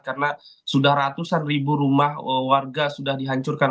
karena sudah ratusan ribu rumah warga sudah dihancurkan